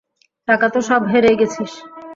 টাকা তো সব হেরেই গেছিস!